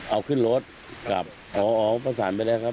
เอาขึ้นรถกลับออกไปแล้วครับ